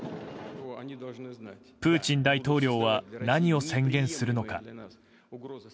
プーチン大統領は何を宣言するのか。